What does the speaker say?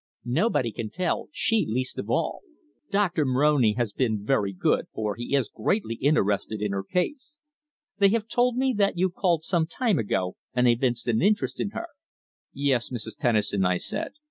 Nobody can tell, she least of all. Doctor Moroni has been very good, for he is greatly interested in her case. They have told me that you called some time ago and evinced an interest in her." "Yes, Mrs. Tennison," I said.